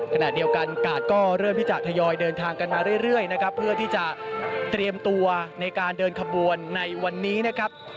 ขณะเดียวกันกาดก็เริ่มที่จะทยอยเดินทางกันมาเรื่อยนะครับเพื่อที่จะเตรียมตัวในการเดินขบวนในวันนี้นะครับ